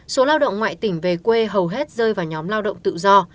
số lao động ngoại tỉnh về quê hầu hết rơi vào nhóm lao động tự do